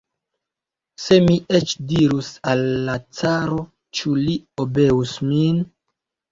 Se mi eĉ dirus al la caro, ĉu li obeus min?